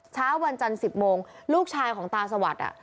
เช้าวันจันทร์๑๐โมงลูกชายของตาสวัสดิ์